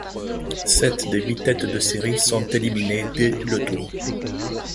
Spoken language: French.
Sept des huit têtes de série sont éliminées dès le tour.